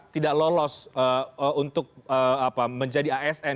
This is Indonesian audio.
tidak lolos untuk menjadi asn